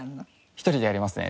１人でやりますね